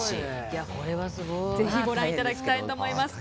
ぜひご覧いただきたいと思います。